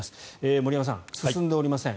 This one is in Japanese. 森山さん、進んでおりません